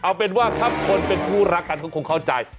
เอาเป็นว่าถ้าคนเป็นคู่รักกันก็คงเข้าใจ